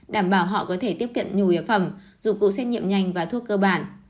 đảm bảo họ có thể tiếp kiện nhiều hiệp phẩm dụng cụ xét nghiệm nhanh và thuốc cơ bản